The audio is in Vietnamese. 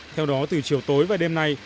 theo đó từ chiều tối và đêm nay